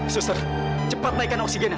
suster cepat naikkan oksigennya